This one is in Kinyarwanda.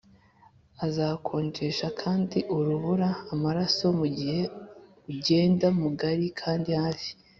uzakonjesha kandi urubura amaraso mugihe ugenda mugari kandi hafi,